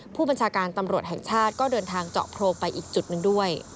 ผู้บัญชาการตำรวจแห่งชาติก็เดินทางเจาะโพรงไปอีกจุดหนึ่งด้วย